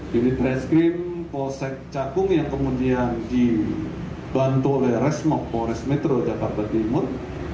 jadi treskrim poset cakung yang kemudian dibantu oleh resmok polres metro jakarta timur